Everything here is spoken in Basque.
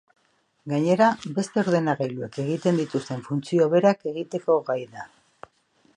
Gainera beste ordenagailuek egiten dituzten funtzio berak egiteko gai da.